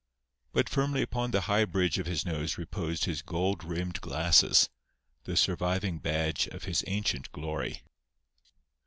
But firmly upon the high bridge of his nose reposed his gold rimmed glasses, the surviving badge of his ancient glory.